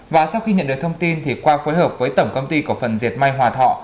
và sau khi nhận được thông tin thì qua phối hợp với tổng công ty cổ phần diệt may hòa thọ